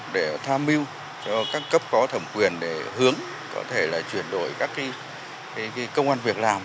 để tham mưu cho các cấp có thẩm quyền để hướng có thể là chuyển đổi các công an việc làm